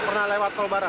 pernah lewat tol barat